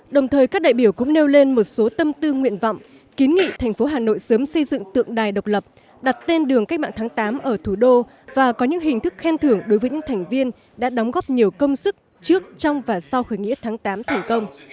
đồng thời các đại biểu cũng nêu lên một số tâm tư nguyện vọng kiến nghị thành phố hà nội sớm xây dựng tượng đài độc lập đặt tên đường cách mạng tháng tám ở thủ đô và có những hình thức khen thưởng đối với những thành viên đã đóng góp nhiều công sức trước trong và sau khởi nghĩa tháng tám thành công